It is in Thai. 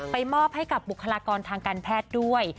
มอบให้กับบุคลากรทางการแพทย์ด้วย